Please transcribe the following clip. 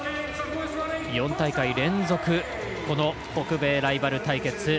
４大会連続の北米ライバル対決